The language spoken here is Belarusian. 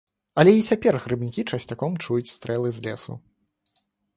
Але і цяпер грыбнікі часцяком чуюць стрэлы з лесу.